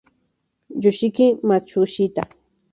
Yoshiki Matsushita